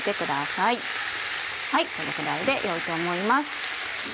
はいこれくらいで良いと思います。